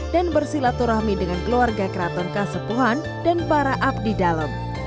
dan bersilaturahmi dengan keluarga keraton kasepuhan dan para abdi dalam